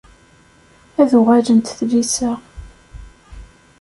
Ad uɣalent tlisa.